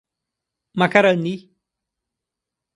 Macarani